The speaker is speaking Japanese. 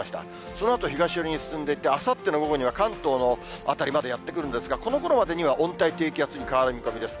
そのあと東寄りに進んでいって、あさっての午後には関東の辺りまでやって来るんですが、このころまでには温帯低気圧に変わる見込みです。